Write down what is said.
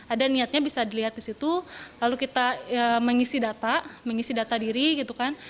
ada niatnya bisa dilihat di situ lalu kita mengisi data mengisi data diri gitu kan